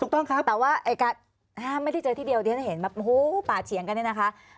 แต่ว่าไม่ได้เจอที่เดียวเดี๋ยวจะเห็นแบบปลาเฉียงกันเลยนะคะ